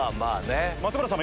松村さん